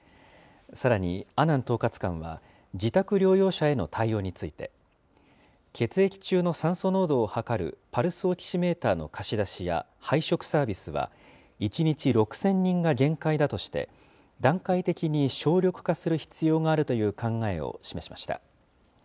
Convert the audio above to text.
さらに阿南統括官は、自宅療養者への対応について、血液中の酸素濃度を測るパルスオキシメーターの貸し出しや配食サービスは、１日６０００人が限界だとして、段階的に省力化する必要があるという考えを示しました。